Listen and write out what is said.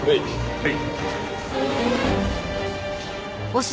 はい。